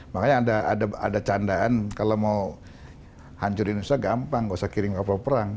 makanya ada candaan kalau mau hancurin usaha gampang nggak usah kirim kapal perang